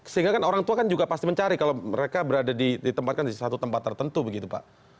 sehingga kan orang tua kan juga pasti mencari kalau mereka berada ditempatkan di satu tempat tertentu begitu pak